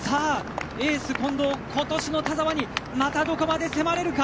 エース、近藤、今年の田澤にまたどこまで迫れるか。